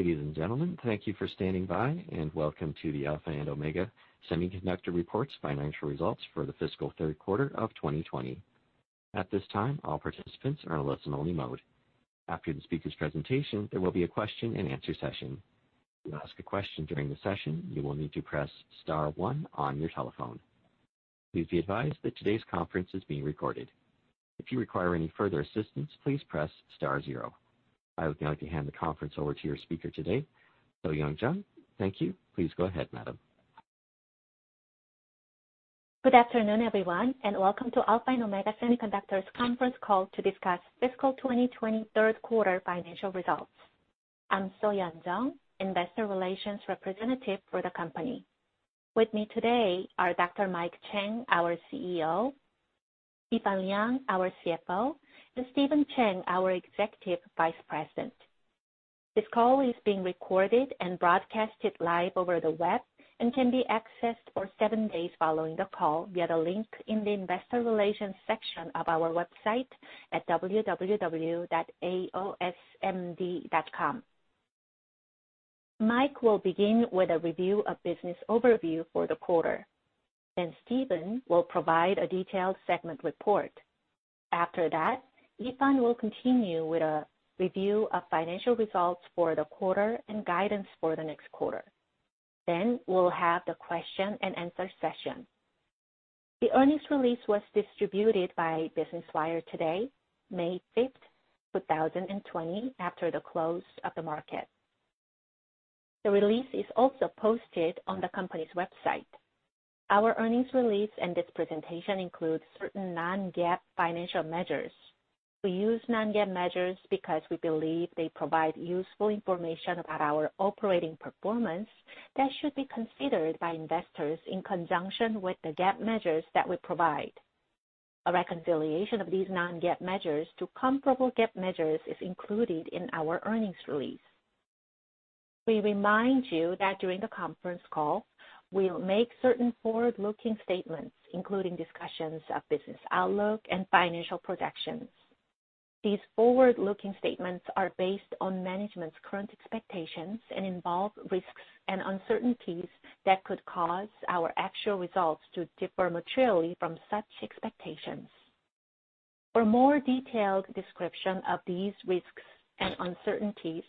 Ladies and gentlemen, thank you for standing by, and welcome to the Alpha and Omega Semiconductor Report's financial results for the fiscal third quarter of 2020. At this time, all participants are in a listen-only mode. After the speaker's presentation, there will be a question-and-answer session. To ask a question during the session, you will need to press star one on your telephone. Please be advised that today's conference is being recorded. If you require any further assistance, please press star zero. I would now like to hand the conference over to your speaker today, So-Yeon Jeong. Thank you. Please go ahead, madam. Good afternoon, everyone, and welcome to Alpha and Omega Semiconductor's conference call to discuss fiscal 2020 third quarter financial results. I'm So-Yeon Jeong, investor relations representative for the company. With me today are Dr. Mike Chang, our CEO; Yifan Liang, our CFO; and Stephen Chang, our Executive Vice President. This call is being recorded and broadcasted live over the web and can be accessed for seven days following the call via the link in the investor relations section of our website at www.aosmd.com. Mike will begin with a review of business overview for the quarter, then Stephen will provide a detailed segment report. After that, Yifan will continue with a review of financial results for the quarter and guidance for the next quarter. We'll have the question-and-answer session. The earnings release was distributed by Business Wire today, May 5th, 2020, after the close of the market. The release is also posted on the company's website. Our earnings release and this presentation includes certain non-GAAP financial measures. We use non-GAAP measures because we believe they provide useful information about our operating performance that should be considered by investors in conjunction with the GAAP measures that we provide. A reconciliation of these non-GAAP measures to comparable GAAP measures is included in our earnings release. We remind you that during the conference call, we'll make certain forward-looking statements, including discussions of business outlook and financial projections. These forward-looking statements are based on management's current expectations and involve risks and uncertainties that could cause our actual results to differ materially from such expectations. For more detailed description of these risks and uncertainties,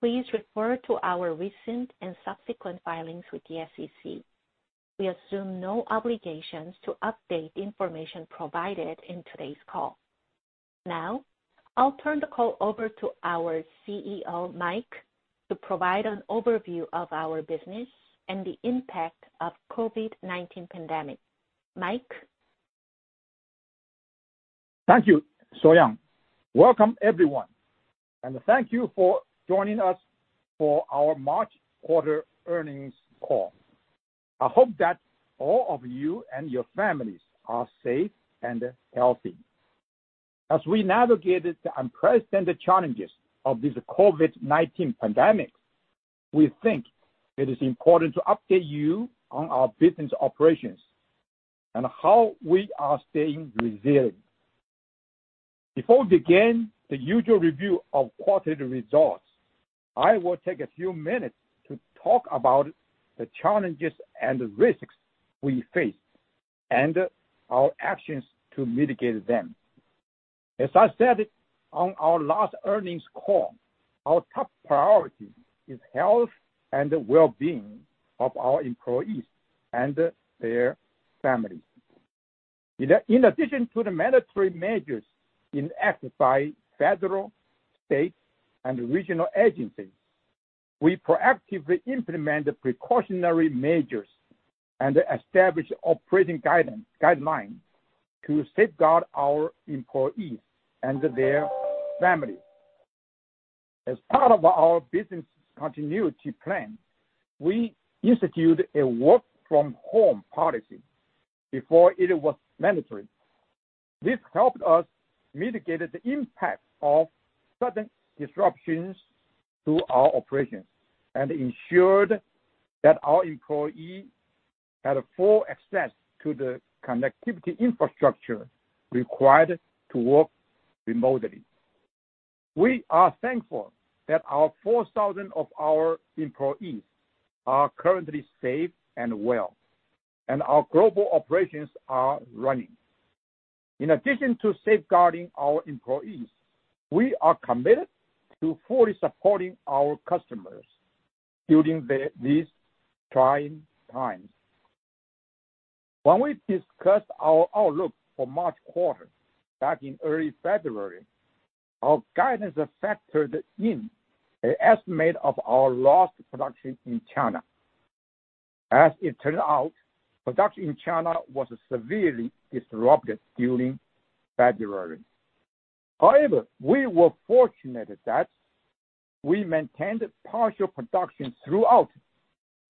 please refer to our recent and subsequent filings with the SEC. We assume no obligations to update the information provided in today's call. Now, I'll turn the call over to our CEO, Mike, to provide an overview of our business and the impact of COVID-19 pandemic. Mike? Thank you, So-Yeon. Welcome, everyone, and thank you for joining us for our March quarter earnings call. I hope that all of you and your families are safe and healthy. As we navigated the unprecedented challenges of this COVID-19 pandemic, we think it is important to update you on our business operations and how we are staying resilient. Before we begin the usual review of quarterly results, I will take a few minutes to talk about the challenges and risks we face and our actions to mitigate them. As I said on our last earnings call, our top priority is health and the well-being of our employees and their families. In addition to the mandatory measures enacted by federal, state, and regional agencies, we proactively implement the precautionary measures and establish operating guidelines to safeguard our employees and their families. As part of our business continuity plan, we institute a work from home policy before it was mandatory. This helped us mitigate the impact of sudden disruptions to our operations and ensured that our employee had full access to the connectivity infrastructure required to work remotely. We are thankful that our 4,000 of our employees are currently safe and well, and our global operations are running. In addition to safeguarding our employees, we are committed to fully supporting our customers during these trying times. When we discussed our outlook for March quarter back in early February, our guidance factored in an estimate of our lost production in China. As it turned out, production in China was severely disrupted during February. However, we were fortunate that we maintained partial production throughout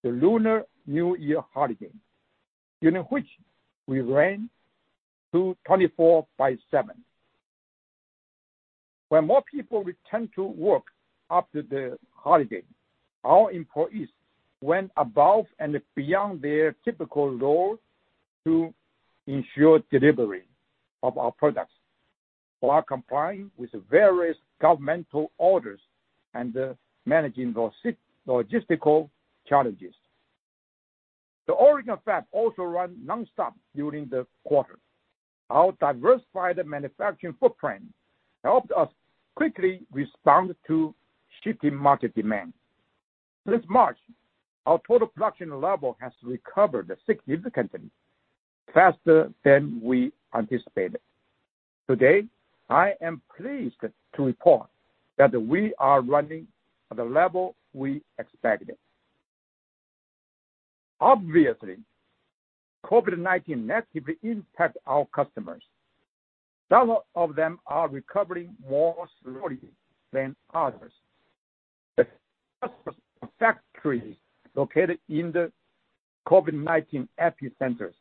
the Lunar New Year holiday, during which we ran through 24 by seven. When more people return to work after the holiday, our employees went above and beyond their typical role to ensure delivery of our products. While complying with the various governmental orders and managing logistical challenges. The Oregon fab also ran nonstop during the quarter. Our diversified manufacturing footprint helped us quickly respond to shifting market demand. This March, our total production level has recovered significantly, faster than we anticipated. Today, I am pleased to report that we are running at the level we expected. Obviously, COVID-19 negatively impact our customers. Some of them are recovering more slowly than others. The factories located in the COVID-19 epicenters,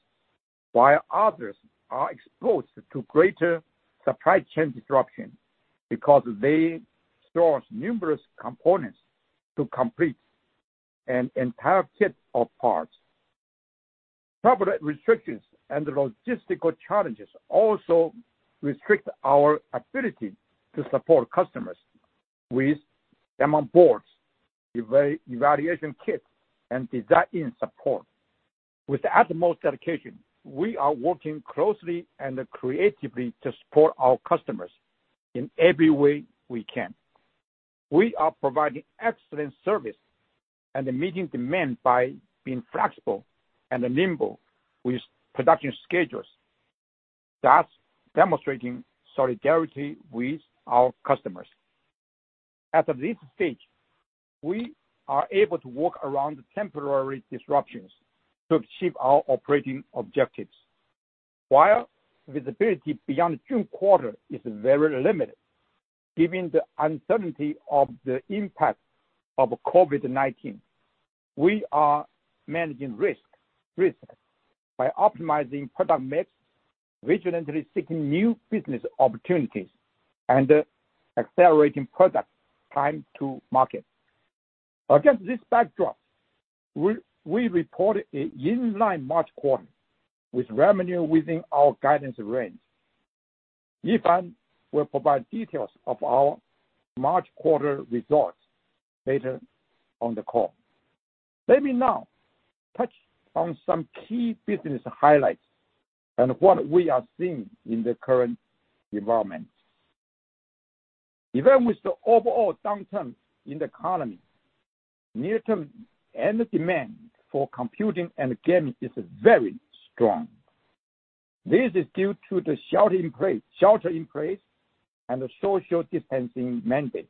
while others are exposed to greater supply chain disruption because they source numerous components to complete an entire kit of parts. Travel restrictions and logistical challenges also restrict our ability to support customers with demo boards, evaluation kits, and design-in support. With the utmost dedication, we are working closely and creatively to support our customers in every way we can. We are providing excellent service and meeting demand by being flexible and nimble with production schedules, thus demonstrating solidarity with our customers. As of this stage, we are able to work around temporary disruptions to achieve our operating objectives. While visibility beyond the June quarter is very limited, given the uncertainty of the impact of COVID-19, we are managing risks by optimizing product mix, vigilantly seeking new business opportunities, and accelerating product time to market. Against this backdrop, we report an in-line March quarter, with revenue within our guidance range. Yifan will provide details of our March quarter results later on the call. Let me now touch on some key business highlights and what we are seeing in the current environment. Even with the overall downturn in the economy, near-term end demand for computing and gaming is very strong. This is due to the shelter-in-place and the social distancing mandate,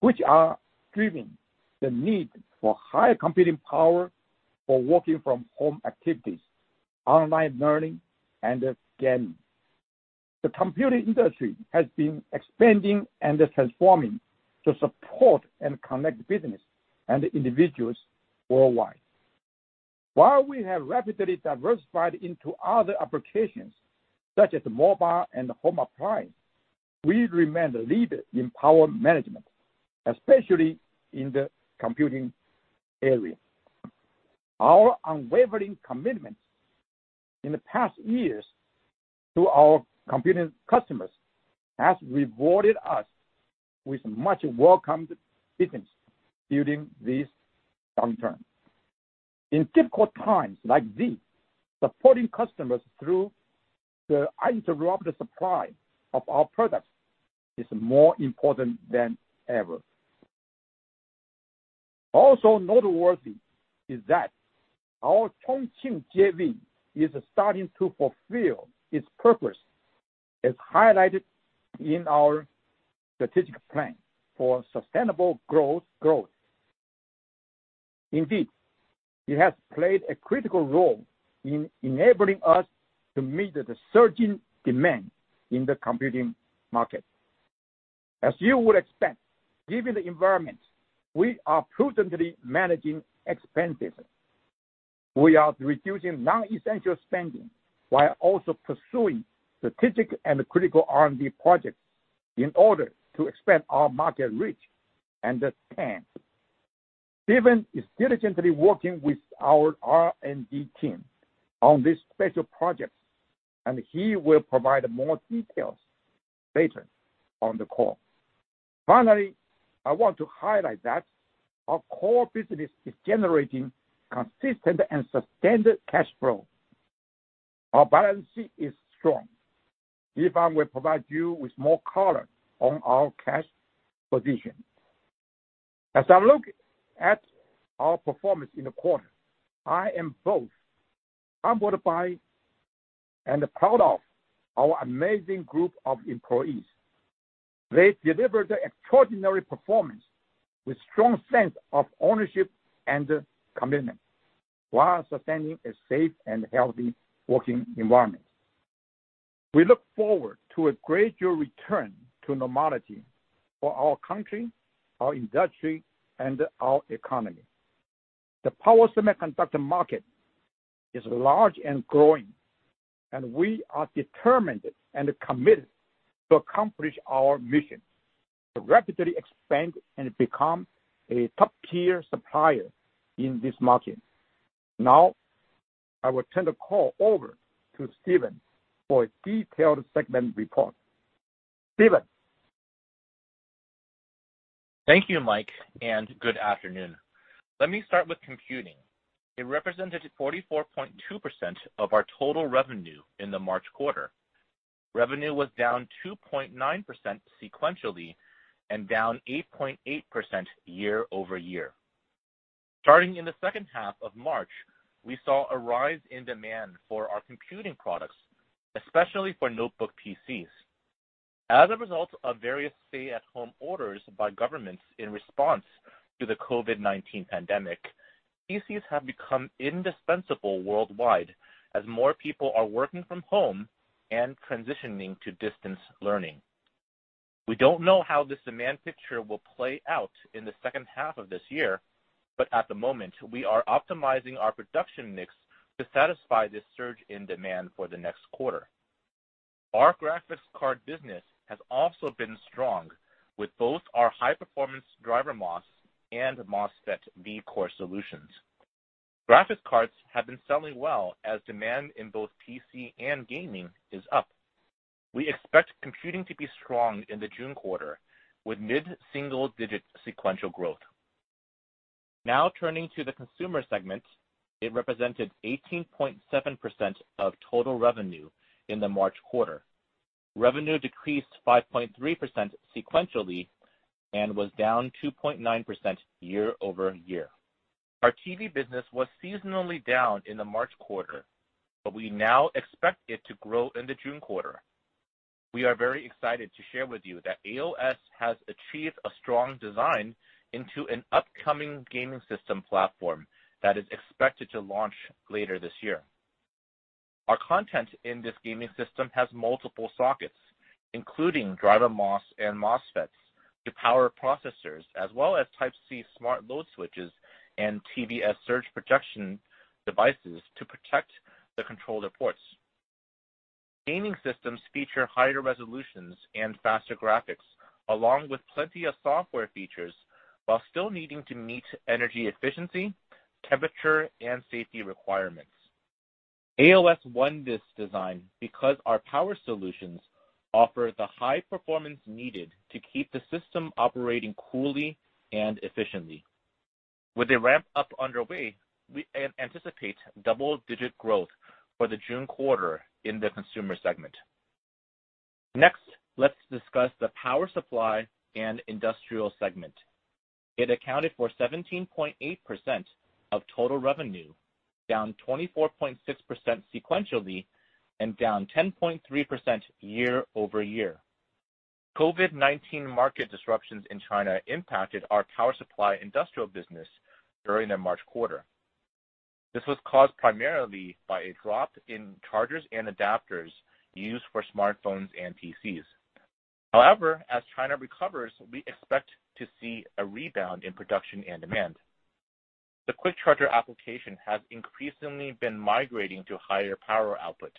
which are driving the need for higher computing power for working from home activities, online learning, and gaming. The computing industry has been expanding and transforming to support and connect business and individuals worldwide. While we have rapidly diversified into other applications such as mobile and home appliance, we remain the leader in power management, especially in the computing area. Our unwavering commitment in the past years to our computing customers has rewarded us with much welcomed business during this downturn. In difficult times like these, supporting customers through the uninterrupted supply of our products is more important than ever. Also noteworthy is that our Chongqing JV is starting to fulfill its purpose, as highlighted in our strategic plan for sustainable growth. It has played a critical role in enabling us to meet the surging demand in the computing market. As you would expect, given the environment, we are prudently managing expenses. We are reducing non-essential spending while also pursuing strategic and critical R&D projects in order to expand our market reach and stand. Stephen is diligently working with our R&D team on this special project, and he will provide more details later on the call. I want to highlight that our core business is generating consistent and sustained cash flow. Our balance sheet is strong. Yifan will provide you with more color on our cash position. As I look at our performance in the quarter, I am both humbled by and proud of our amazing group of employees. They delivered extraordinary performance with strong sense of ownership and commitment while sustaining a safe and healthy working environment. We look forward to a gradual return to normality for our country, our industry, and our economy. The power semiconductor market is large and growing, and we are determined and committed to accomplish our mission to rapidly expand and become a top-tier supplier in this market. Now. I will turn the call over to Stephen for a detailed segment report. Stephen? Thank you, Mike, and good afternoon. Let me start with computing. It represented 44.2% of our total revenue in the March quarter. Revenue was down 2.9% sequentially and down 8.8% year-over-year. Starting in the second half of March, we saw a rise in demand for our computing products, especially for notebook PCs. As a result of various stay-at-home orders by governments in response to the COVID-19 pandemic, PCs have become indispensable worldwide as more people are working from home and transitioning to distance learning. We don't know how this demand picture will play out in the second half of this year, but at the moment, we are optimizing our production mix to satisfy this surge in demand for the next quarter. Our graphics card business has also been strong with both our high-performance DrMOS and MOSFET Vcore solutions. Graphics cards have been selling well as demand in both PC and gaming is up. We expect computing to be strong in the June quarter with mid-single-digit sequential growth. Turning to the consumer segment, it represented 18.7% of total revenue in the March quarter. Revenue decreased 5.3% sequentially and was down 2.9% year-over-year. Our TV business was seasonally down in the March quarter, but we now expect it to grow in the June quarter. We are very excited to share with you that AOS has achieved a strong design into an upcoming gaming system platform that is expected to launch later this year. Our content in this gaming system has multiple sockets, including DrMOS and MOSFETs, to power processors as well as Type-C smart load switches and TVS surge protection devices to protect the controller ports. Gaming systems feature higher resolutions and faster graphics along with plenty of software features, while still needing to meet energy efficiency, temperature, and safety requirements. AOS won this design because our power solutions offer the high performance needed to keep the system operating coolly and efficiently. With the ramp up underway, we anticipate double-digit growth for the June quarter in the consumer segment. Next, let's discuss the power supply and industrial segment. It accounted for 17.8% of total revenue, down 24.6% sequentially and down 10.3% year-over-year. COVID-19 market disruptions in China impacted our power supply industrial business during the March quarter. This was caused primarily by a drop in chargers and adapters used for smartphones and PCs. However, as China recovers, we expect to see a rebound in production and demand. The quick charger application has increasingly been migrating to higher power output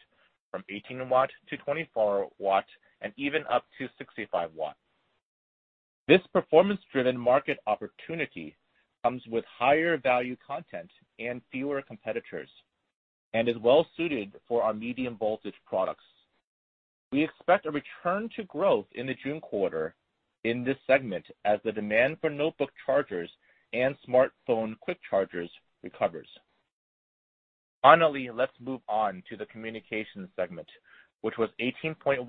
from 18 watt to 24 watt and even up to 65 watt. This performance-driven market opportunity comes with higher value content and fewer competitors and is well suited for our medium-voltage products. We expect a return to growth in the June quarter in this segment as the demand for notebook chargers and smartphone quick chargers recovers. Finally, let's move on to the communication segment, which was 18.1%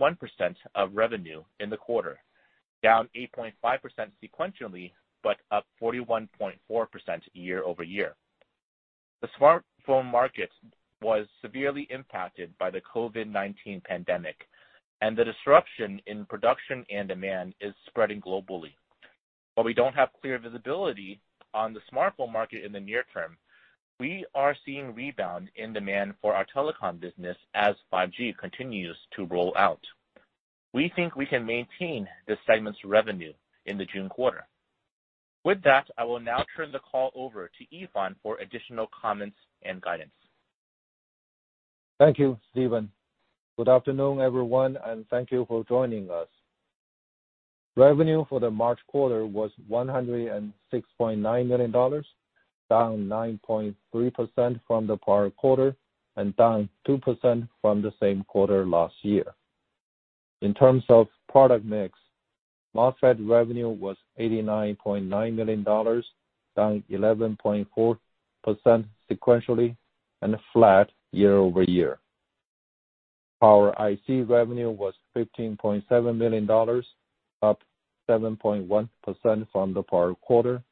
of revenue in the quarter, down 8.5% sequentially, but up 41.4% year-over-year. The smartphone market was severely impacted by the COVID-19 pandemic, and the disruption in production and demand is spreading globally. We don't have clear visibility on the smartphone market in the near term. We are seeing rebound in demand for our telecom business as 5G continues to roll out. We think we can maintain this segment's revenue in the June quarter. With that, I will now turn the call over to Yifan for additional comments and guidance. Thank you, Stephen. Good afternoon, everyone, and thank you for joining us. Revenue for the March quarter was $106.9 million, down 9.3% from the prior quarter and down 2% from the same quarter last year. In terms of product mix, MOSFET revenue was $89.9 million, down 11.4% sequentially and flat year-over-year. Our IC revenue was $15.7 million, up 7.1% from the prior quarter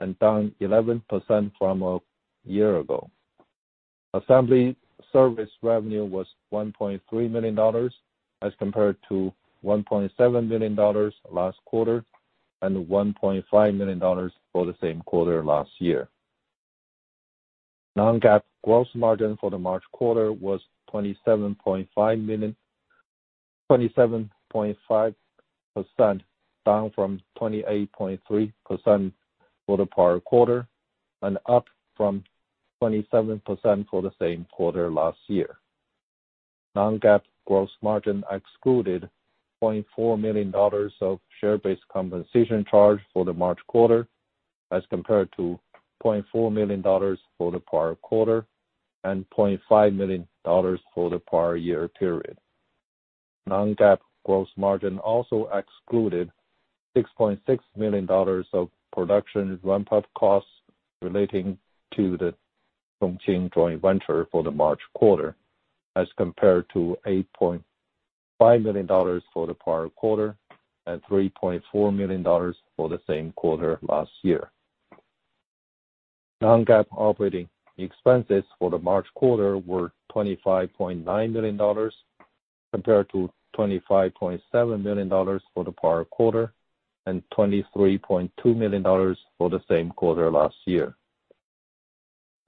and down 11% from a year ago. Assembly service revenue was $1.3 million as compared to $1.7 million last quarter and $1.5 million for the same quarter last year. Non-GAAP gross margin for the March quarter was 27.5%, down from 28.3% for the prior quarter and up from 27% for the same quarter last year. Non-GAAP gross margin excluded $4.4 million of share-based compensation charge for the March quarter as compared to $4.4 million for the prior quarter and $4.5 million for the prior year period. Non-GAAP gross margin also excluded $6.6 million of production ramp-up costs relating to the Chongqing Joint Venture for the March quarter, as compared to $8.5 million for the prior quarter and $3.4 million for the same quarter last year. Non-GAAP operating expenses for the March quarter were $25.9 million, compared to $25.7 million for the prior quarter and $23.2 million for the same quarter last year.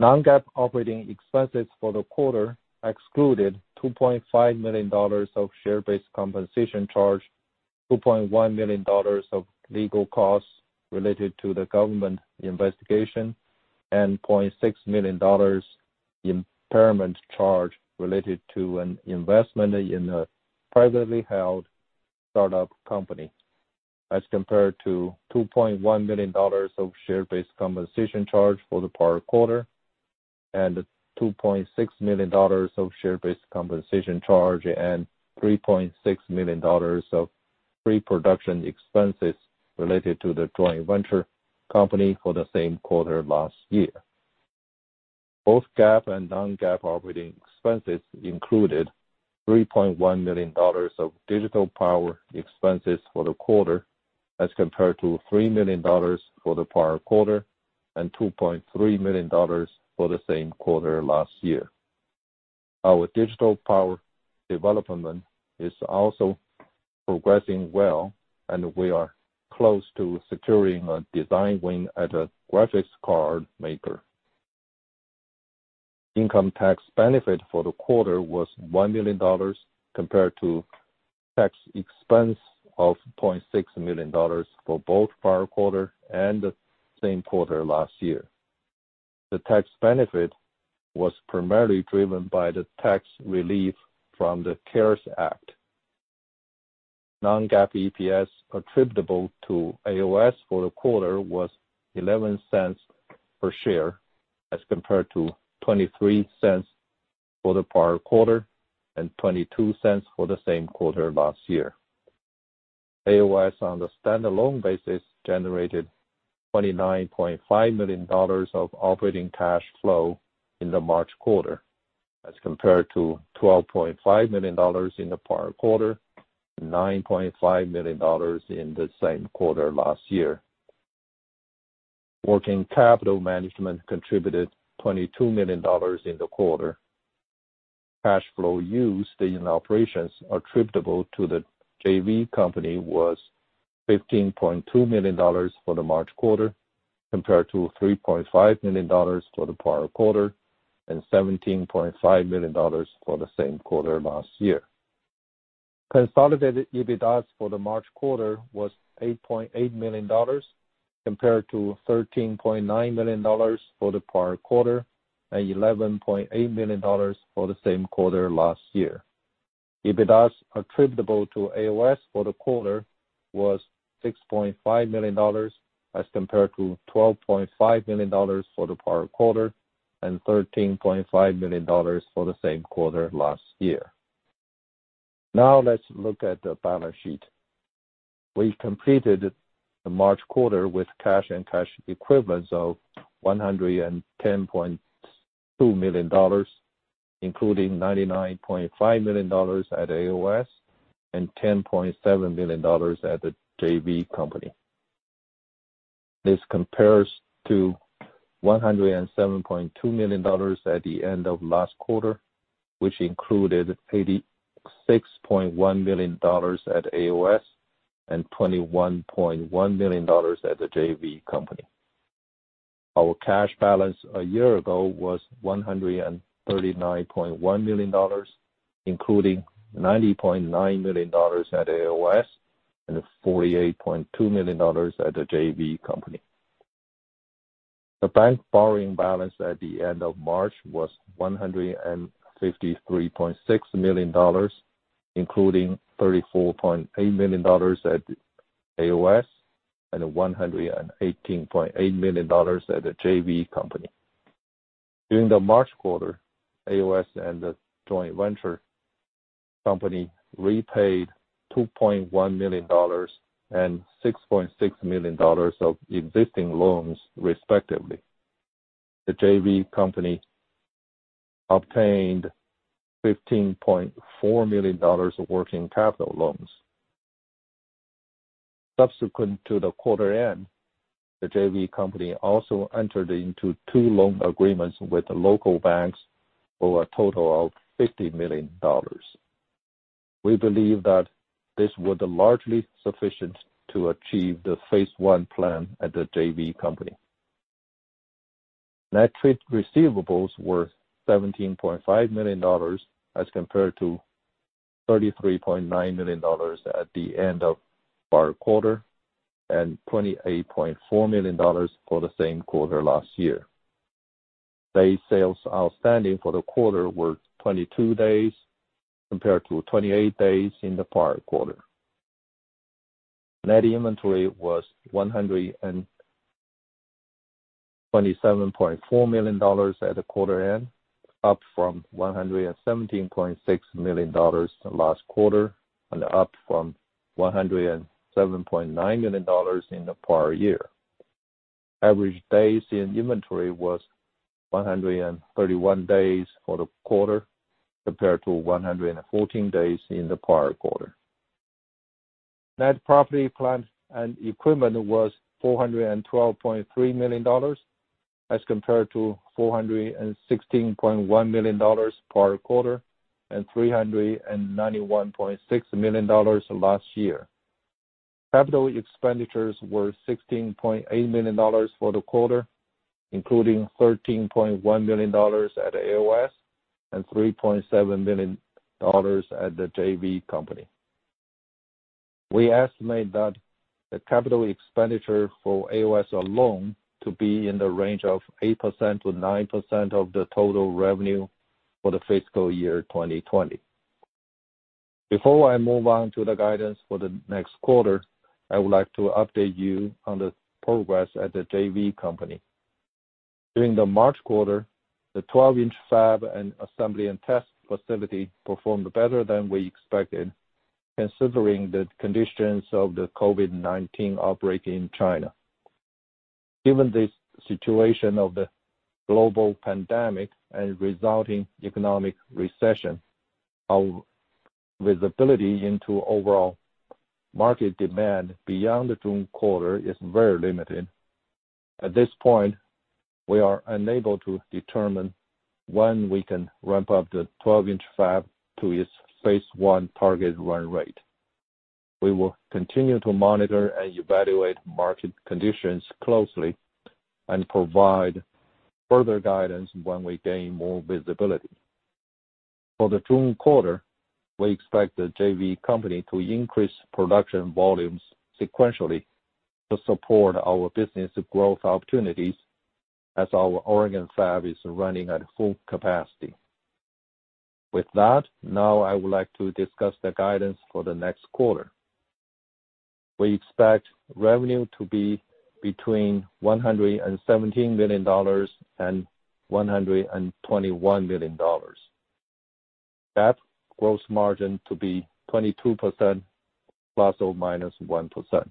Non-GAAP operating expenses for the quarter excluded $2.5 million of share-based compensation charge, $2.1 million of legal costs related to the government investigation, and $0.6 million impairment charge related to an investment in a privately held startup company, as compared to $2.1 million of share-based compensation charge for the prior quarter and $2.6 million of share-based compensation charge and $3.6 million of pre-production expenses related to the Joint Venture company for the same quarter last year. Both GAAP and non-GAAP operating expenses included $3.1 million of digital power expenses for the quarter as compared to $3 million for the prior quarter and $2.3 million for the same quarter last year. Our digital power development is also progressing well and we are close to securing a design win at a graphics card maker. Income tax benefit for the quarter was $1 million compared to tax expense of $0.6 million for both prior quarter and the same quarter last year. The tax benefit was primarily driven by the tax relief from the CARES Act. Non-GAAP EPS attributable to AOS for the quarter was $0.11 per share as compared to $0.23 for the prior quarter and $0.22 for the same quarter last year. AOS on the standalone basis generated $29.5 million of operating cash flow in the March quarter as compared to $12.5 million in the prior quarter and $9.5 million in the same quarter last year. Working capital management contributed $22 million in the quarter. Cash flow used in operations attributable to the JV company was $15.2 million for the March quarter, compared to $3.5 million for the prior quarter and $17.5 million for the same quarter last year. Consolidated EBITDAS for the March quarter was $8.8 million, compared to $13.9 million for the prior quarter and $11.8 million for the same quarter last year. EBITDAS attributable to AOS for the quarter was $6.5 million as compared to $12.5 million for the prior quarter and $13.5 million for the same quarter last year. Now let's look at the balance sheet. We completed the March quarter with cash and cash equivalents of $110.2 million, including $99.5 million at AOS and $10.7 million at the JV company. This compares to $107.2 million at the end of last quarter, which included $86.1 million at AOS and $21.1 million at the JV company. Our cash balance a year ago was $139.1 million, including $90.9 million at AOS and $48.2 million at the JV company. The bank borrowing balance at the end of March was $153.6 million, including $34.8 million at AOS and $118.8 million at the JV company. During the March quarter, AOS and the joint venture company repaid $2.1 million and $6.6 million of existing loans, respectively. The JV company obtained $15.4 million of working capital loans. Subsequent to the quarter end, the JV company also entered into two loan agreements with the local banks for a total of $50 million. We believe that this would largely sufficient to achieve the phase one plan at the JV company. Net trade receivables were $17.5 million as compared to $33.9 million at the end of our quarter, and $28.4 million for the same quarter last year. Day sales outstanding for the quarter were 22 days, compared to 28 days in the prior quarter. Net inventory was $127.4 million at the quarter end, up from $117.6 million last quarter, and up from $107.9 million in the prior year. Average days in inventory was 131 days for the quarter, compared to 114 days in the prior quarter. Net property, plant, and equipment was $412.3 million as compared to $416.1 million prior quarter and $391.6 million last year. Capital expenditures were $16.8 million for the quarter, including $13.1 million at AOS and $3.7 million at the JV company. We estimate that the capital expenditure for AOS alone to be in the range of 8%-9% of the total revenue for the fiscal year 2020. Before I move on to the guidance for the next quarter, I would like to update you on the progress at the JV company. During the March quarter, the 12-inch fab and assembly and test facility performed better than we expected, considering the conditions of the COVID-19 outbreak in China. Given this situation of the global pandemic and resulting economic recession, our visibility into overall market demand beyond the June quarter is very limited. At this point, we are unable to determine when we can ramp up the 12-inch fab to its phase 1 target run rate. We will continue to monitor and evaluate market conditions closely and provide further guidance when we gain more visibility. For the June quarter, we expect the JV company to increase production volumes sequentially to support our business growth opportunities as our Oregon fab is running at full capacity. With that, now I would like to discuss the guidance for the next quarter. We expect revenue to be between $117 million and $121 million. GAAP gross margin to be 22% ±1%.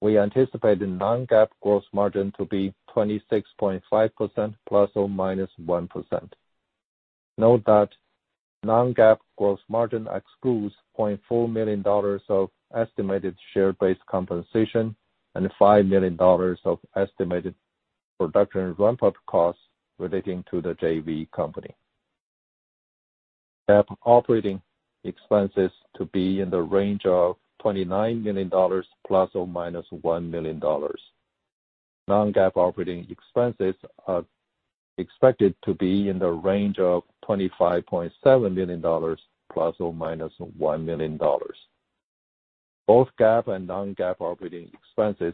We anticipate the non-GAAP gross margin to be 26.5% ±1%. Note that non-GAAP gross margin excludes $0.4 million of estimated share-based compensation and $5 million of estimated production ramp-up costs relating to the JV company. GAAP operating expenses to be in the range of $29 million ±$1 million. Non-GAAP operating expenses are expected to be in the range of $25.7 million ±$1 million. Both GAAP and non-GAAP operating expenses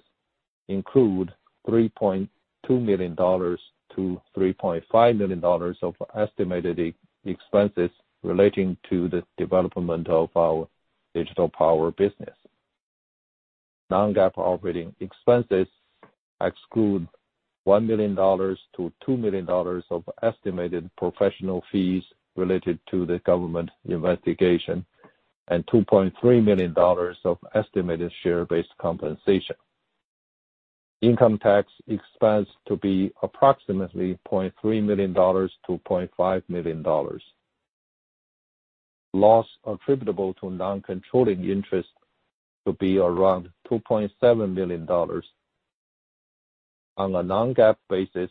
include $3.2 million-$3.5 million of estimated expenses relating to the development of our digital power business. Non-GAAP operating expenses exclude $1 million-$2 million of estimated professional fees related to the government investigation and $2.3 million of estimated share-based compensation. Income tax expense to be approximately $0.3 million-$0.5 million. Loss attributable to non-controlling interest to be around $2.7 million. On a non-GAAP basis,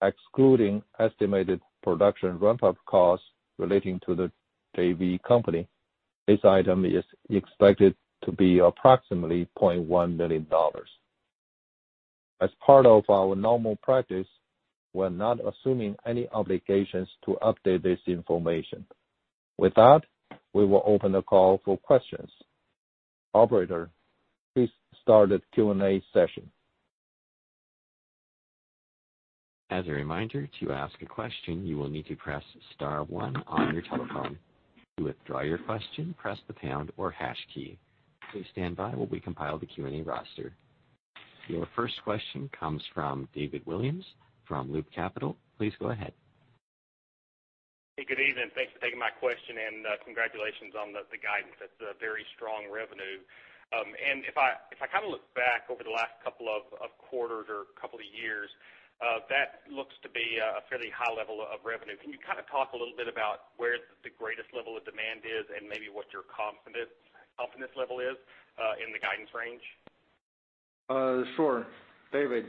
excluding estimated production ramp-up costs relating to the JV company, this item is expected to be approximately $0.1 million. As part of our normal practice, we're not assuming any obligations to update this information. With that, we will open the call for questions. Operator, please start the Q&A session. As a reminder, to ask a question, you will need to press star one on your telephone. To withdraw your question, press the pound or hash key. Please stand by while we compile the Q&A roster. Your first question comes from David Williams from Loop Capital. Please go ahead. Hey, good evening. Thanks for taking my question, and congratulations on the guidance. That's a very strong revenue. If I look back over the last couple of quarters or couple of years, that looks to be a fairly high level of revenue. Can you talk a little bit about where the greatest level of demand is and maybe what your confidence level is, in the guidance range? Sure. David,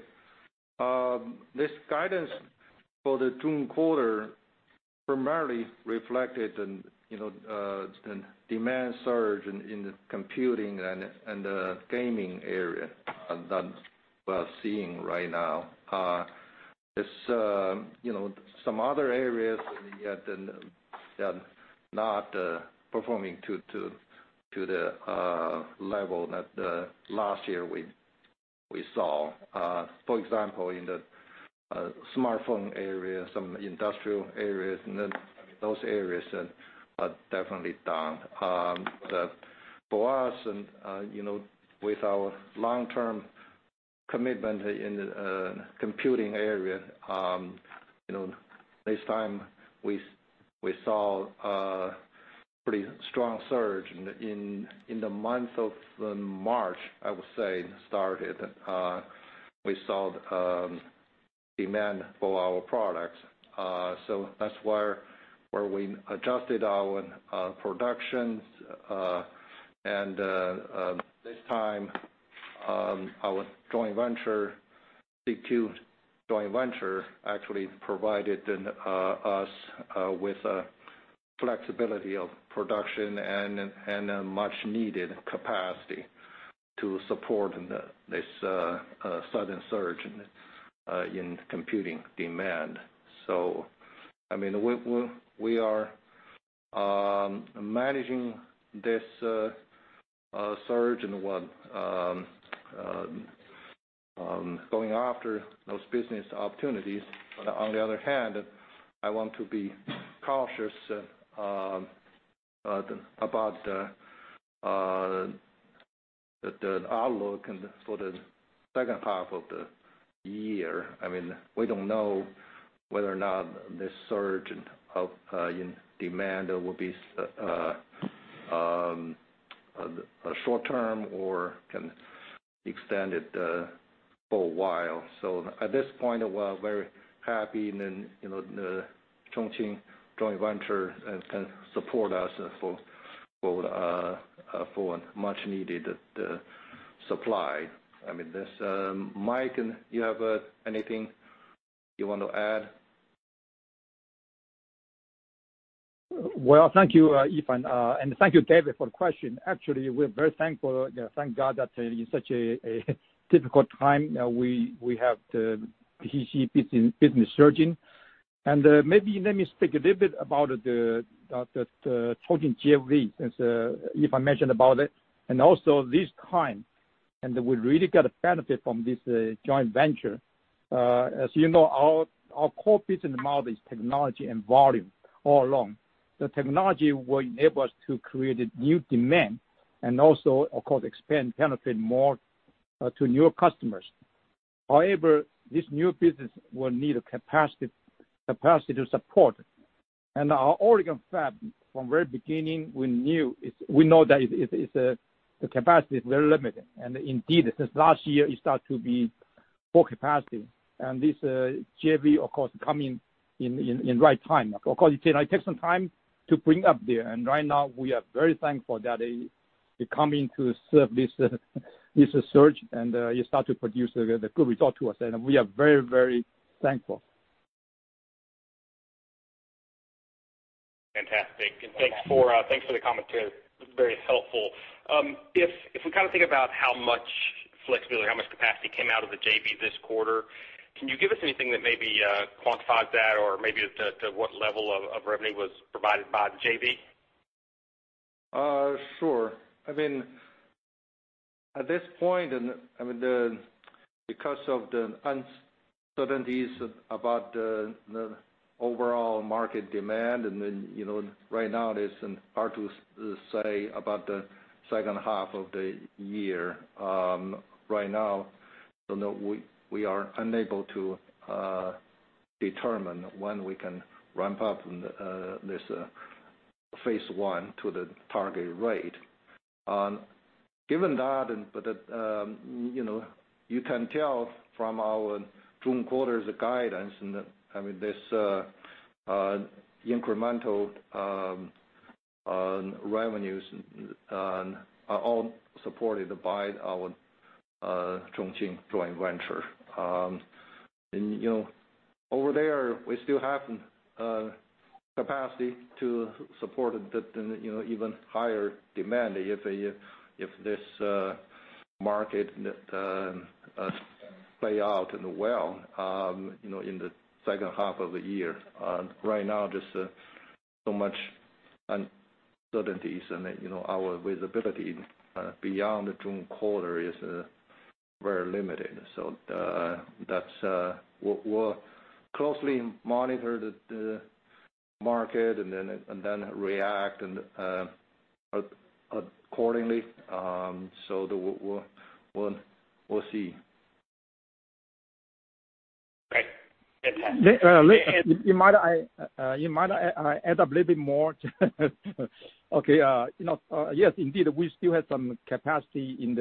this guidance for the June quarter primarily reflected the demand surge in the computing and the gaming area that we are seeing right now. There's some other areas that are not performing to the level that last year we saw. For example, in the smartphone area, some industrial areas, those areas are definitely down. For us, with our long-term commitment in the computing area, this time we saw a pretty strong surge. In the month of March, I would say, it started. We saw demand for our products. That's where we adjusted our productions. This time, our CQJV joint venture actually provided us with flexibility of production and a much needed capacity to support this sudden surge in computing demand. We are managing this surge and going after those business opportunities. On the other hand, I want to be cautious about the outlook for the second half of the year. We don't know whether or not this surge in demand will be short-term or can extend for a while. At this point, we are very happy the Chongqing joint venture can support us for much needed supply. Mike, you have anything you want to add? Well, thank you, Yifan, and thank you, David, for the question. Actually, we're very thankful, thank God, that in such a difficult time, we have the PC business surging. Maybe let me speak a little bit about the Chongqing JVs, since Yifan mentioned about it. Also this time, we really got a benefit from this joint venture. As you know, our core business model is technology and volume all along. The technology will enable us to create new demand and also, of course, expand benefit more to newer customers. However, this new business will need a capacity to support. Our Oregon fab, from very beginning, we know that the capacity is very limited, and indeed, since last year, it start to be full capacity. This JV, of course, come in right time. Of course, it takes some time to bring up there. Right now we are very thankful that they come in to serve this surge. You start to produce the good result to us. We are very thankful. Fantastic. Thanks for the commentary. Very helpful. If we think about how much flexibility, how much capacity came out of the JV this quarter, can you give us anything that maybe quantifies that or maybe to what level of revenue was provided by the JV? Sure. At this point, because of the uncertainties about the overall market demand, and right now it is hard to say about the second half of the year. Right now, we are unable to determine when we can ramp up this phase one to the target rate. Given that, you can tell from our June quarter's guidance, this incremental revenues are all supported by our Chongqing Joint Venture. Over there, we still have capacity to support even higher demand if this market play out well in the second half of the year. Right now, just so much uncertainties, and our visibility beyond the June quarter is very limited. We'll closely monitor the market and then react accordingly. We'll see. Great. Fantastic. You mind I add a little bit more? Okay. Yes, indeed, we still have some capacity in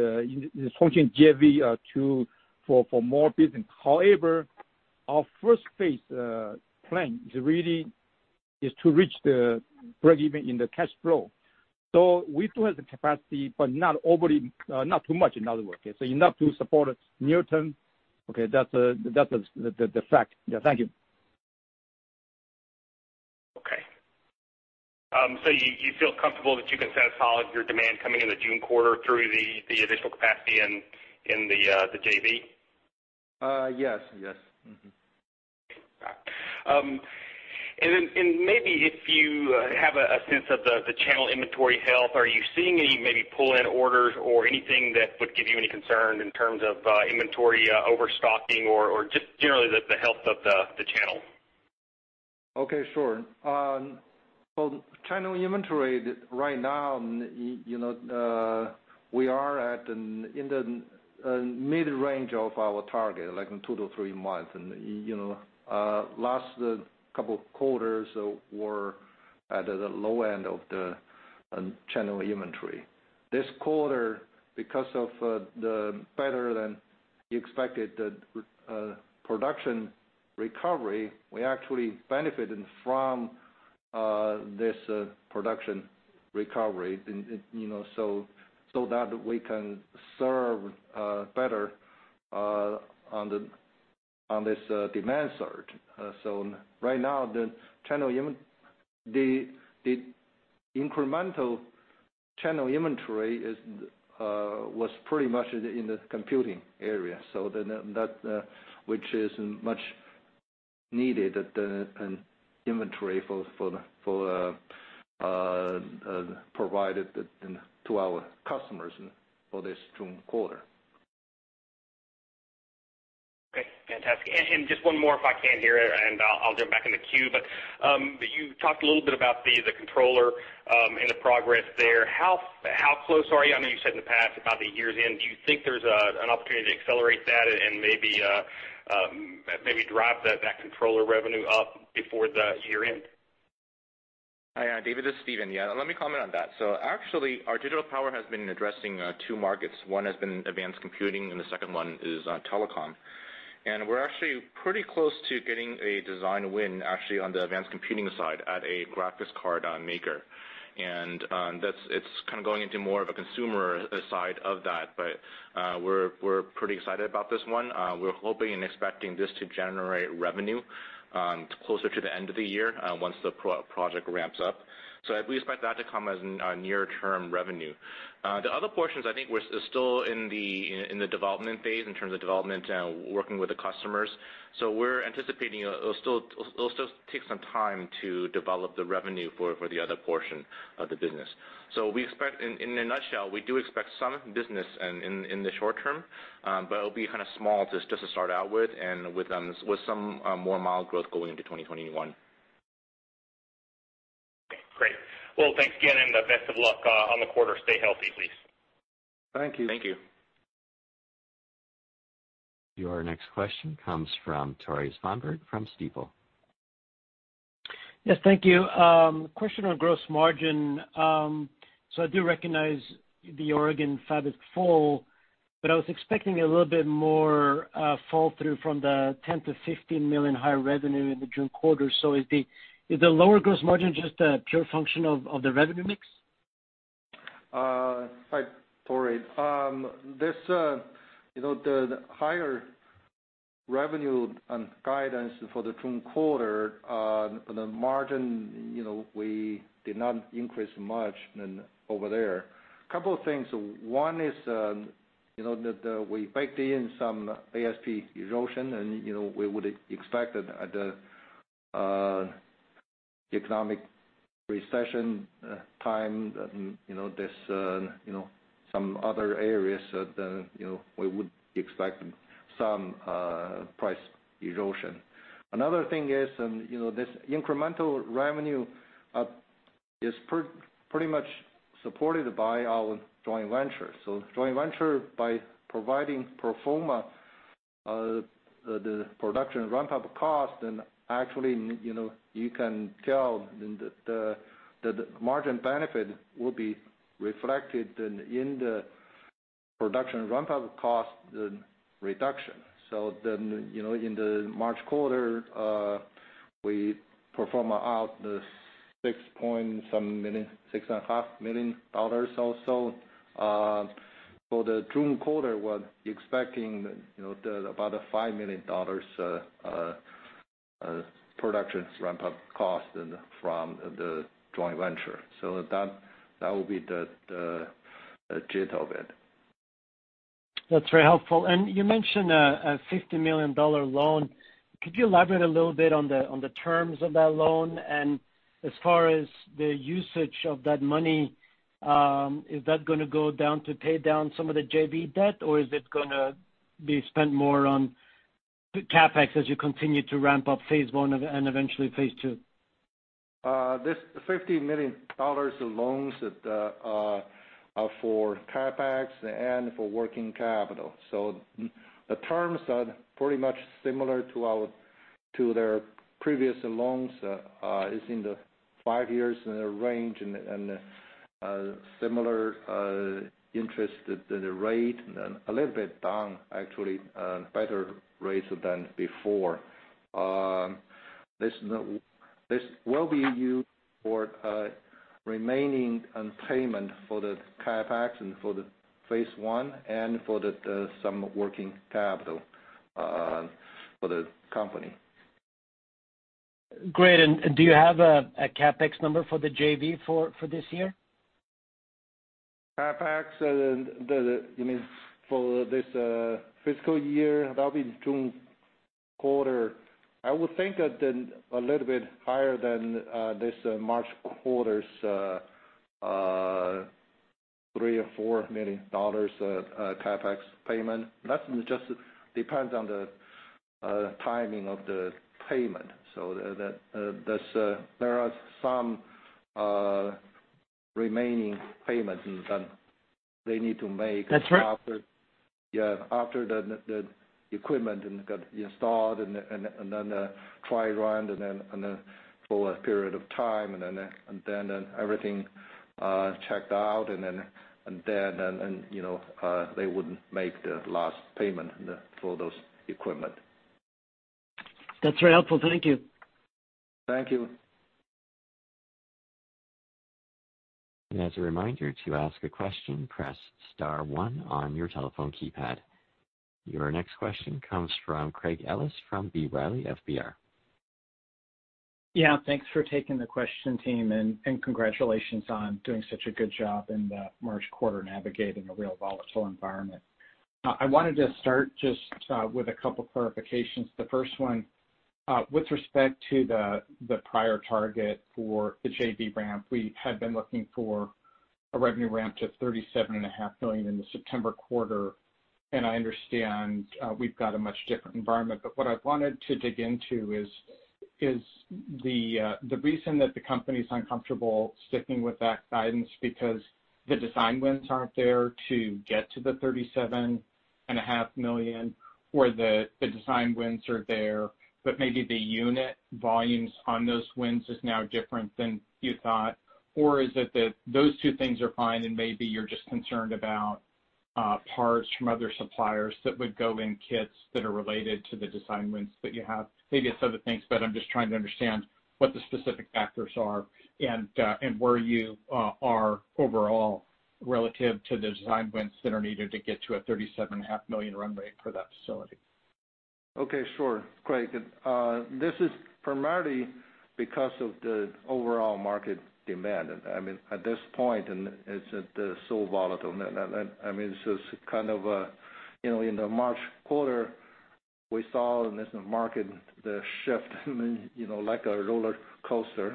this Chongqing JV for more business. Our first phase plan is to reach the break-even in the cash flow. We still have the capacity, but not too much, in other words. Enough to support near term. Okay, that's the fact. Thank you. You feel comfortable that you can satisfy your demand coming in the June quarter through the additional capacity in the JV? Yes. Got it. Maybe if you have a sense of the channel inventory health, are you seeing any maybe pull-in orders or anything that would give you any concern in terms of inventory overstocking or just generally the health of the channel? Okay, sure. Well, channel inventory right now, we are in the mid-range of our target, like in 2-3 months. Last couple of quarters were at the low end of the channel inventory. This quarter, because of the better-than-expected production recovery, we actually benefited from this production recovery, so that we can serve better on this demand surge. Right now, the incremental channel inventory was pretty much in the computing area. Which is much needed an inventory provided to our customers for this June quarter. Okay, fantastic. Just one more if I can here, and I'll jump back in the queue. You talked a little bit about the controller and the progress there. How close are you? I know you said in the past about the year's end. Do you think there's an opportunity to accelerate that and maybe drive that controller revenue up before the year-end? Hi, David, this is Stephen. Yeah, let me comment on that. Actually, our digital power has been addressing two markets. One has been advanced computing, and the second one is telecom. We're actually pretty close to getting a design win, actually, on the advanced computing side at a graphics card maker. It's kind of going into more of a consumer side of that. We're pretty excited about this one. We're hoping and expecting this to generate revenue closer to the end of the year, once the project ramps up. We expect that to come as near-term revenue. The other portions, I think we're still in the development phase in terms of development and working with the customers. We're anticipating it'll still take some time to develop the revenue for the other portion of the business. In a nutshell, we do expect some business in the short term, but it'll be kind of small just to start out with, and with some more mild growth going into 2021. Okay, great. Well, thanks again, and best of luck on the quarter. Stay healthy, please. Thank you. Thank you. Your next question comes from Tore Svanberg from Stifel. Yes, thank you. Question on gross margin. I do recognize the Oregon fab is full, but I was expecting a little bit more fall through from the $10 million - $15 million higher revenue in the June quarter. Is the lower gross margin just a pure function of the revenue mix? Hi, Tore. The higher revenue and guidance for the June quarter, the margin, we did not increase much over there. A couple of things. One is that we baked in some ASP erosion and we would expect at the economic recession time, some other areas that we would expect some price erosion. Another thing is this incremental revenue is pretty much supported by our joint venture. Joint venture by providing pro forma, the production ramp-up cost, and actually, you can tell the margin benefit will be reflected in the production ramp-up cost reduction. In the March quarter, we perform out the six and a half million dollars or so. For the June quarter, we're expecting about $5 million production ramp-up cost from the joint venture. That will be the gist of it. That's very helpful. You mentioned a $50 million loan. Could you elaborate a little bit on the terms of that loan? As far as the usage of that money, is that going to go down to pay down some of the JV debt, or is it going to be spent more on the CapEx as you continue to ramp up phase one and eventually phase II? This $50 million loans are for CapEx and for working capital. The terms are pretty much similar to their previous loans. It's in the five years range and similar interest rate, and a little bit down, actually, better rates than before. This will be used for remaining payment for the CapEx and for the phase 1 and for some working capital for the company. Great. Do you have a CapEx number for the JV for this year? CapEx, you mean for this fiscal year? That'll be June quarter. I would think a little bit higher than this March quarter's $3 or $4 million CapEx payment. That just depends on the timing of the payment. There are some remaining payments that they need to make. That's right. after the equipment got installed, and then the trial run, and then for a period of time, and then everything checked out, and then they would make the last payment for those equipment. That's very helpful. Thank you. Thank you. As a reminder, to ask a question, press star one on your telephone keypad. Your next question comes from Craig Ellis from B. Riley FBR. Yeah. Thanks for taking the question, team, and congratulations on doing such a good job in the March quarter, navigating a real volatile environment. I wanted to start just with a couple clarifications. The first one, with respect to the prior target for the JV ramp. We had been looking for a revenue ramp to $37.5 million in the September quarter, and I understand we've got a much different environment. What I wanted to dig into is the reason that the company's uncomfortable sticking with that guidance because the design wins aren't there to get to the $37.5 million, or the design wins are there, but maybe the unit volumes on those wins is now different than you thought? Is it that those two things are fine, and maybe you are just concerned about parts from other suppliers that would go in kits that are related to the design wins that you have? Maybe it is other things, I am just trying to understand what the specific factors are and where you are overall relative to the design wins that are needed to get to a 37.5 million run rate for that facility. Okay, sure. Craig, this is primarily because of the overall market demand. At this point, it's so volatile. In the March quarter, we saw in this market the shift like a roller coaster.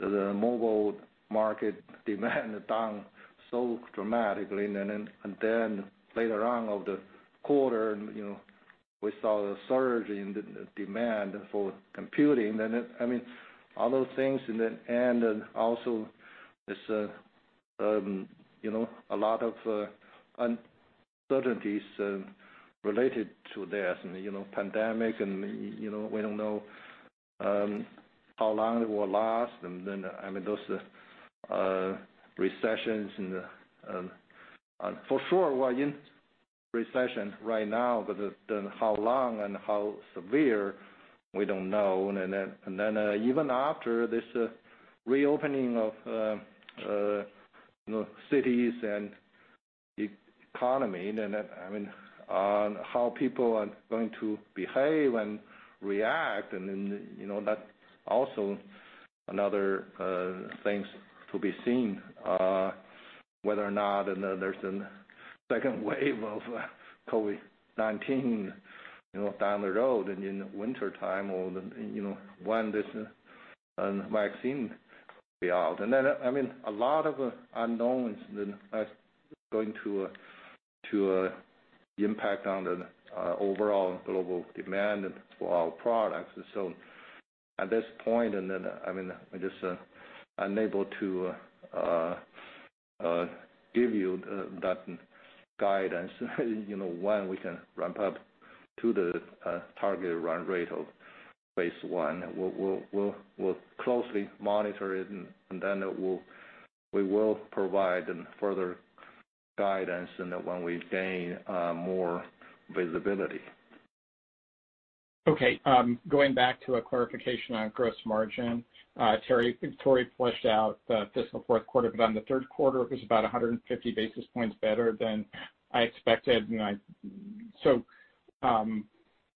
With the mobile market demand down so dramatically, later on in the quarter, we saw the surge in demand for computing. All those things, also there's a lot of uncertainties related to this, pandemic, and we don't know how long it will last. Those recessions. For sure, we're in recession right now, but how long and how severe, we don't know. Even after this reopening of cities and the economy, how people are going to behave and react, that's also another thing to be seen. Whether or not there's a second wave of COVID-19 down the road in the wintertime, or when this vaccine will be out. A lot of unknowns that are going to impact on the overall global demand for our products. At this point, we're just unable to give you that guidance, when we can ramp up to the target run rate of phase 1. We'll closely monitor it, and then we will provide further guidance when we gain more visibility. Okay. Going back to a clarification on gross margin. Tore fleshed out the fiscal fourth quarter, but on the third quarter, it was about 150 basis points better than I expected.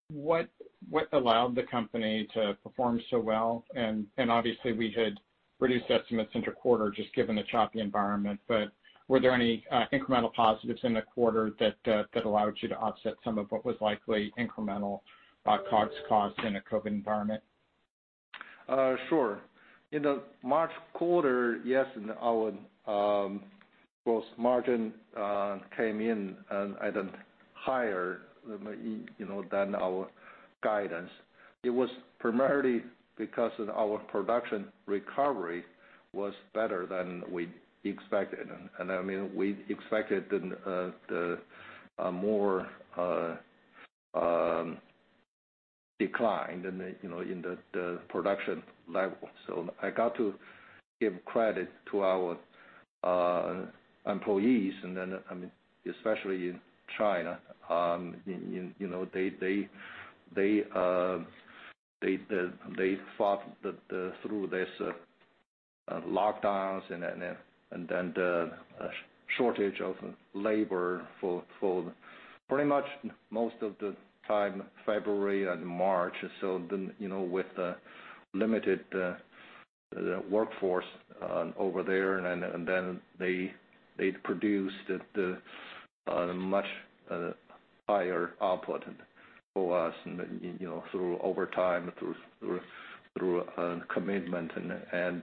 What allowed the company to perform so well? Obviously, we had reduced estimates inter-quarter just given the choppy environment. Were there any incremental positives in the quarter that allowed you to offset some of what was likely incremental COGS costs in a COVID-19 environment? Sure. In the March quarter, yes, our gross margin came in at higher than our guidance. It was primarily because of our production recovery was better than we expected. We expected more decline in the production level. I got to give credit to our employees, especially in China. They fought through these lockdowns and the shortage of labor for pretty much most of the time, February and March. With the limited workforce over there, and then they produced their much higher output for us through overtime, through commitment, and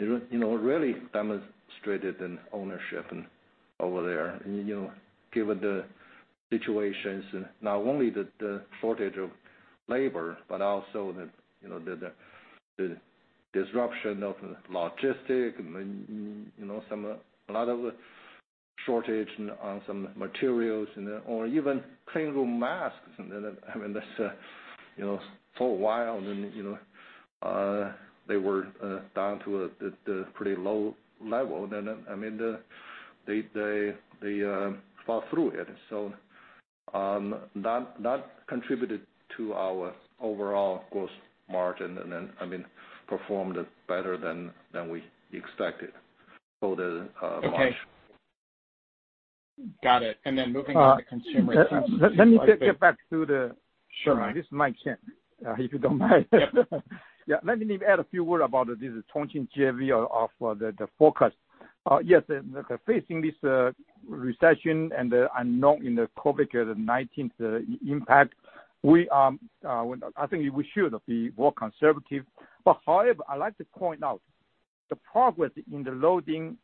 really demonstrated an ownership over there. Given the situations, not only the shortage of labor, but also the disruption of logistics and a lot of shortage on some materials or even clean room masks. I mean, that's for a while, they were down to a pretty low level then. They thought through it. That contributed to our overall gross margin and then performed better than we expected for the March. Okay. Got it, moving on to consumer. Let me get back to the. Sure. This is Mike Chang, if you don't mind. Yep. Yeah. Let me add a few word about this Chongqing JV of the forecast. Yes, facing this recession and the unknown in the COVID-19 impact, I think we should be more conservative. However, I'd like to point out the progress in the loading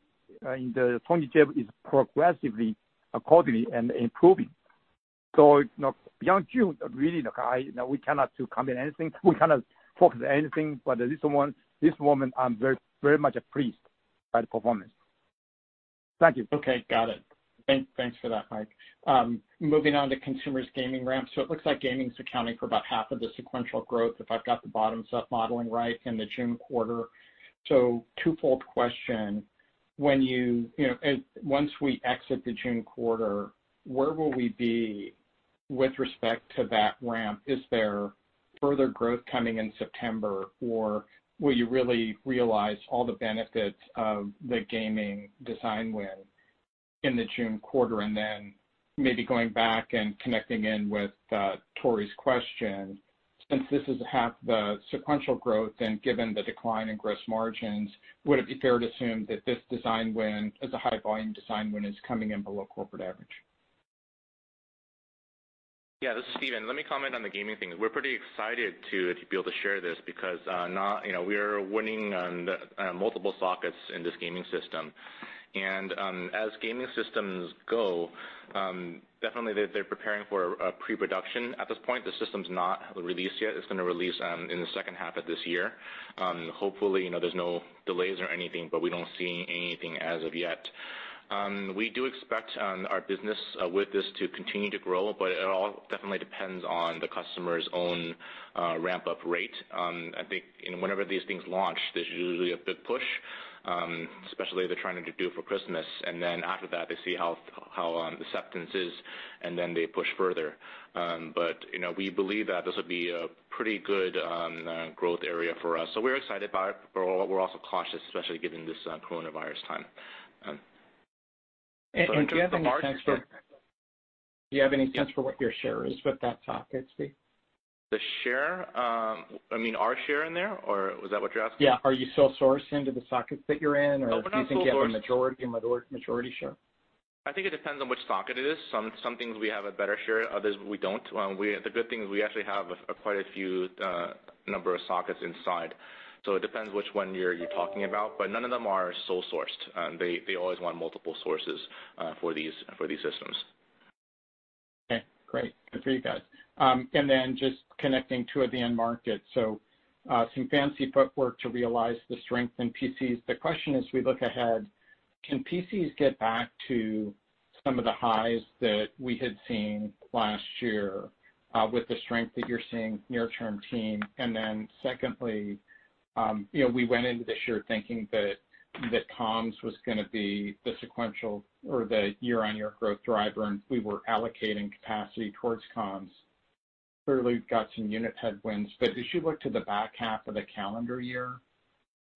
in the Chongqing JV is progressively accordingly and improving. Beyond June, really, we cannot commit anything. We cannot focus anything, but at this moment I'm very much pleased by the performance. Thank you. Okay, got it. Thanks for that, Mike. Moving on to consumers gaming ramp. It looks like gaming's accounting for about half of the sequential growth, if I've got the bottom-up modeling right in the June quarter. Twofold question. Once we exit the June quarter, where will we be with respect to that ramp? Is there further growth coming in September, or will you really realize all the benefits of the gaming design win in the June quarter? Maybe going back and connecting in with Tore's question, since this is half the sequential growth and given the decline in gross margins, would it be fair to assume that this design win, as a high volume design win, is coming in below corporate average? Yeah, this is Stephen. Let me comment on the gaming thing. We're pretty excited to be able to share this because we are winning on multiple sockets in this gaming system. As gaming systems go, definitely they're preparing for pre-production. At this point, the system's not released yet. It's going to release in the second half of this year. Hopefully, there's no delays or anything, but we don't see anything as of yet. We do expect our business with this to continue to grow, but it all definitely depends on the customer's own ramp-up rate. I think whenever these things launch, there's usually a big push, especially they're trying to do it for Christmas, and then after that, they see how acceptance is, and then they push further. We believe that this will be a pretty good growth area for us. We're excited by it, but we're also cautious, especially given this coronavirus time. Do you have any sense for what your share is with that socket, Steve? The share? I mean our share in there, or was that what you're asking? Yeah. Are you sole sourcing to the sockets that you're in, or? No, we're not sole source. Do you think you have a majority share? I think it depends on which socket it is. Some things we have a better share, others we don't. The good thing is we actually have quite a few number of sockets inside, so it depends which one you're talking about, but none of them are sole sourced. They always want multiple sources for these systems. Okay, great. Good for you guys. Just connecting to the end market. Some fancy footwork to realize the strength in PCs. The question is, we look ahead, can PCs get back to some of the highs that we had seen last year with the strength that you're seeing near term team? Secondly, we went into this year thinking that comms was going to be the sequential or the year-on-year growth driver, and we were allocating capacity towards comms. Clearly, we've got some unit headwinds, but as you look to the back half of the calendar year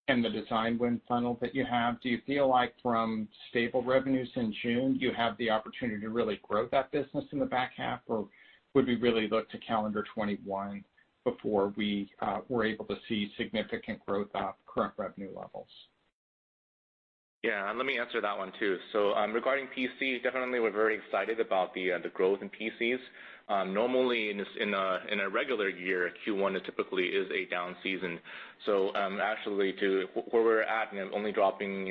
and the design win funnel that you have, do you feel like from stable revenues in June, you have the opportunity to really grow that business in the back half, or would we really look to calendar 2021 before we were able to see significant growth off current revenue levels? Yeah, let me answer that one, too. Regarding PCs, definitely we're very excited about the growth in PCs. Normally, in a regular year, Q1 typically is a down season. Actually where we're at, only dropping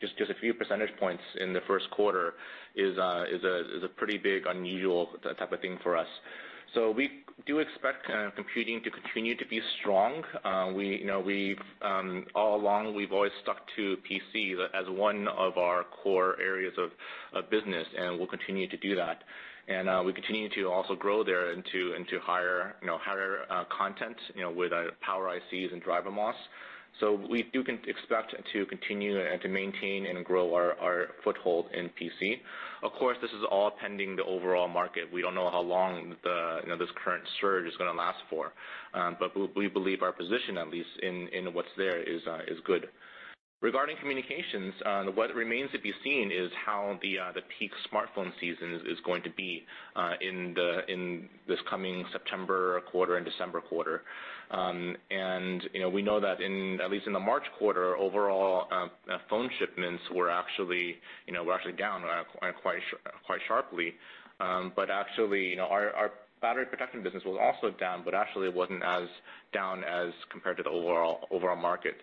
just a few percentage points in the first quarter is a pretty big, unusual type of thing for us. We do expect computing to continue to be strong. All along, we've always stuck to PC as one of our core areas of business, and we'll continue to do that. We continue to also grow there into higher content with our power ICs and DrMOS. We do expect to continue and to maintain and grow our foothold in PC. Of course, this is all pending the overall market. We don't know how long this current surge is going to last for, but we believe our position, at least in what's there, is good. Regarding communications, what remains to be seen is how the peak smartphone season is going to be in this coming September quarter and December quarter. We know that at least in the March quarter overall phone shipments were actually down quite sharply. Actually, our battery protection business was also down, but actually it wasn't as down as compared to the overall market.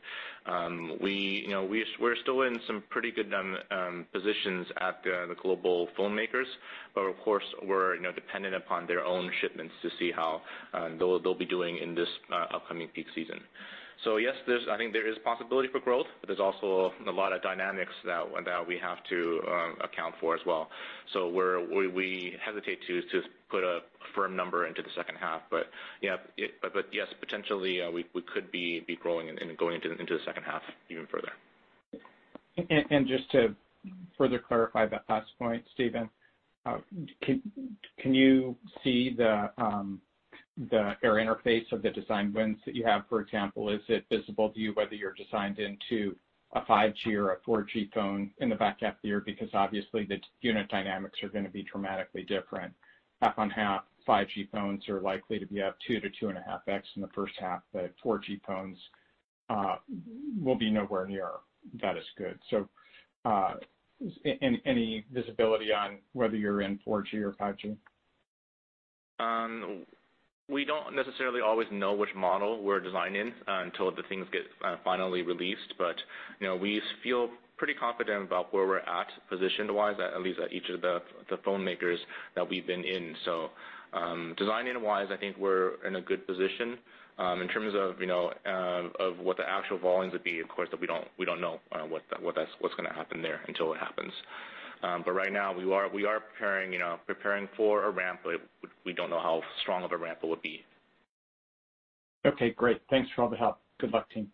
We're still in some pretty good positions at the global phone makers, but of course, we're dependent upon their own shipments to see how they'll be doing in this upcoming peak season. Yes, I think there is possibility for growth, but there's also a lot of dynamics that we have to account for as well. We hesitate to just put a firm number into the second half. Yes, potentially, we could be growing and going into the second half even further. Just to further clarify that last point, Stephen, can you see the air interface of the design wins that you have, for example. Is it visible to you whether you're designed into a 5G or a 4G phone in the back half of the year? Obviously the unit dynamics are going to be dramatically different. Half-on-half, 5G phones are likely to be up 2 to 2.5x in the first half, but 4G phones will be nowhere near that as good. Any visibility on whether you're in 4G or 5G? We don't necessarily always know which model we're designing until the things get finally released. We feel pretty confident about where we're at position-wise, at least at each of the phone makers that we've been in. Designing-wise, I think we're in a good position. In terms of what the actual volumes would be, of course, we don't know what's going to happen there until it happens. Right now, we are preparing for a ramp, but we don't know how strong of a ramp it would be. Okay, great. Thanks for all the help. Good luck, team.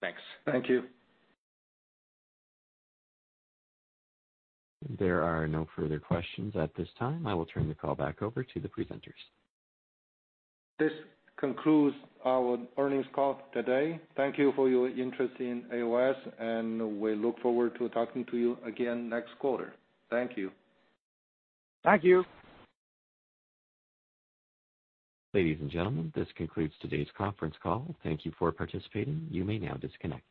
Thanks. Thank you. There are no further questions at this time. I will turn the call back over to the presenters. This concludes our earnings call today. Thank you for your interest in AOS, and we look forward to talking to you again next quarter. Thank you. Thank you. Ladies and gentlemen, this concludes today's conference call. Thank you for participating. You may now disconnect.